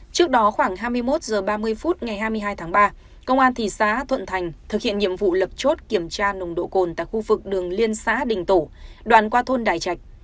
trước đó khoảng hai mươi một h ba mươi phút ngày hai mươi hai tháng ba công an thị xã thuận thành thực hiện nhiệm vụ lập chốt kiểm tra nồng độ cồn tại khu vực đường liên xã đình tổ đoạn qua thôn đại trạch